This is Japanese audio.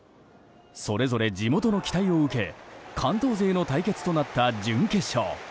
それぞれ地元の期待を受け関東勢の対決となった準決勝。